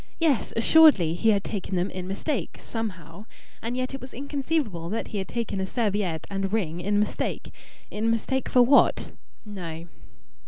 Yes, assuredly, he had taken them in mistake somehow! And yet it was inconceivable that he had taken a serviette and ring in mistake. In mistake for what? No!...